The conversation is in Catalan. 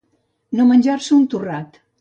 No menjar-se un torrat.